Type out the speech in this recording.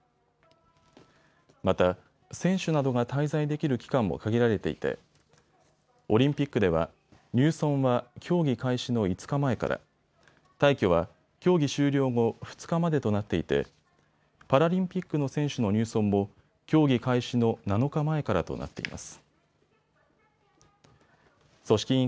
また、選手などが滞在できる期間も限られていてオリンピックでは入村は競技開始の５日前から、退去は競技終了後２日までとなっていてパラリンピックの選手の入村も競技開始の７日前からとなっています。